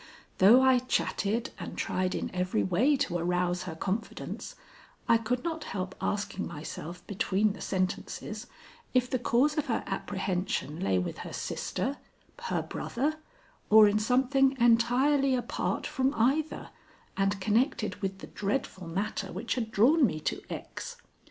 Though I chatted and tried in every way to arouse her confidence, I could not help asking myself between the sentences, if the cause of her apprehension lay with her sister, her brother, or in something entirely apart from either, and connected with the dreadful matter which had drawn me to X.